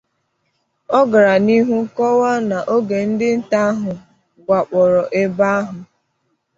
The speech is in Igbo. Ọ gara n'ihụ kọwaa na oge ndị nta ahụ wakpòrò ebe ahụ